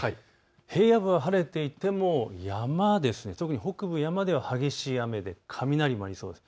平野部は晴れていても山、特に北部の山では激しい雨で雷になりそうです。